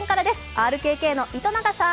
ＲＫＫの糸永さん！